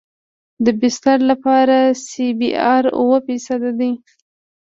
د بستر لپاره سی بي ار اوه فیصده دی